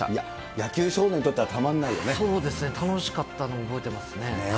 野球少年にとってはたまんなそうですよね、楽しかったの覚えてますね。